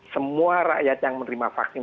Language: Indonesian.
semua rakyat yang menerima vaksin